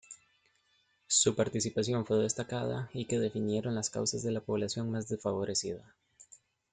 Su participación fue destacada y que defendieron las causas de la población más desfavorecida.